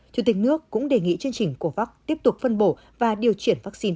chủ tịch nước cũng đề nghị chương trình covax tiếp tục phân bổ và điều triển vaccine